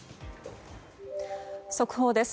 速報です。